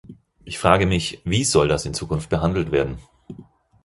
Ich frage mich, wie soll das in Zukunft behandelt werden?